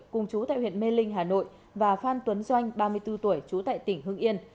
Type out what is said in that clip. cùng chú tại huyện mê linh hà nội và phan tuấn doanh ba mươi bốn tuổi trú tại tỉnh hương yên